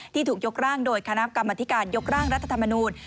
ถูกยกร่างโดยคณะกรรมธิการยกร่างรัฐธรรมนูล